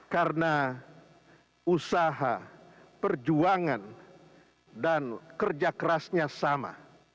karena usaha perjuangan dan kerja kerasnya sama